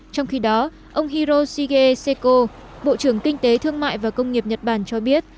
trong khi đó ông hiroshige seiko bộ trưởng kinh tế thương mại và công nghiệp nhật bản cho biết